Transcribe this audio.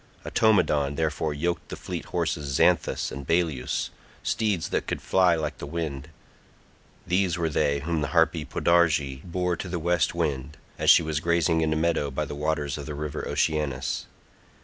Automedon therefore yoked the fleet horses Xanthus and Balius, steeds that could fly like the wind: these were they whom the harpy Podarge bore to the west wind, as she was grazing in a meadow by the waters of the river Oceanus.